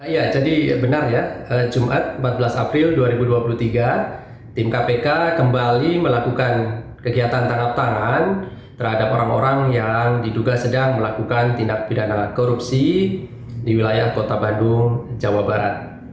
ya jadi benar ya jumat empat belas april dua ribu dua puluh tiga tim kpk kembali melakukan kegiatan tangkap tangan terhadap orang orang yang diduga sedang melakukan tindak pidana korupsi di wilayah kota bandung jawa barat